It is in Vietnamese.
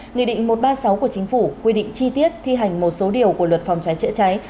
nghị định một trăm ba mươi sáu của chính phủ quy định chi tiết thi hành một số điều của luật phòng cháy chữa cháy